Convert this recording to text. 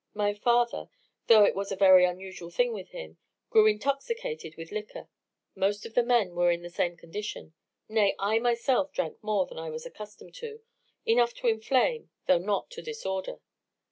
My father, though it was a very unusual thing with him, grew intoxicated with liquor; most of the men were in the same condition; nay, I myself drank more than I was accustomed to, enough to inflame, though not to disorder.